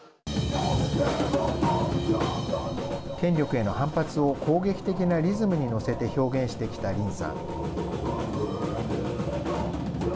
権力への反発を攻撃的なリズムに乗せて表現してきたリンさん。